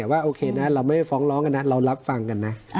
แต่ว่าโอเคนะเราไม่ได้ฟ้องร้องกันนะเรารับฟังกันนะ